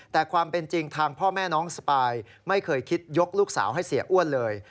แต่ความเป็นจริงทางพ่อแม่น้องสปายไม่เคยคิดยกลูกสาวให้เสียอ้วนเลย